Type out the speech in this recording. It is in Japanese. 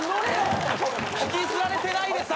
引きずられてないでさ。